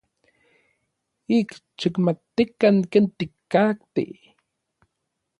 Ik xikmatikan ken tikatej.